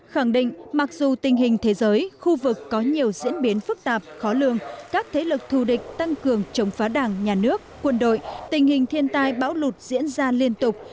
khẳng định mặc dù tình hình thế giới khu vực có nhiều diễn biến phức tạp khó lường các thế lực thù địch tăng cường chống phá đảng nhà nước quân đội tình hình thiên tai bão lụt diễn ra liên tục